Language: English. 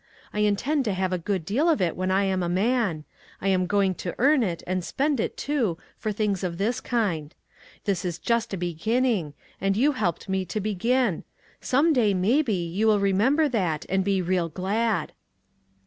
I intend to have a good deal of it when I am a man. I am going to earn it, and spend it, too, for things of this kind. This is just a begin ning, and you helped me to begin. Some day, maybe, you will remember that, and be real glad."